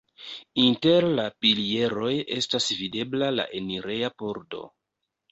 Inter la pilieroj estas videbla la enireja pordo.